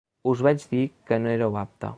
Us vaig dir que no éreu apte.